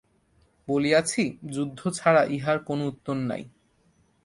বলিয়াছি, যুদ্ধ ছাড়া ইহার আর কোনো উত্তর নাই।